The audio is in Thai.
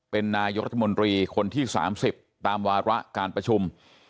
เป็นนายกรัฐมนตรีคนที่๓๐ตามวาระการประชุม